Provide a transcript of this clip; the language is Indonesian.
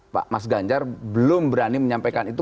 pak mas ganjar belum berani menyampaikan itu